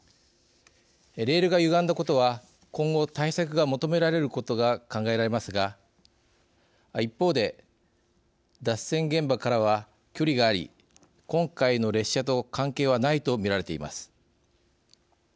レールがゆがんだことは今後対策が求められることが考えられますが一方で脱線現場からは距離があり今回の列車と関係はないとみられています。